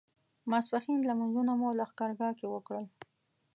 ماسپښین لمونځونه مو لښکرګاه کې وکړل.